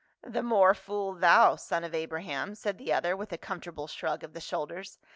" The more fool thou, son of Abraham," said the other with a comfortable shrug of the shoulders.